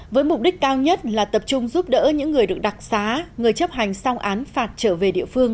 với mục đích cao nhất là tập trung giúp đỡ những người được đặc xá người chấp hành xong án phạt trở về địa phương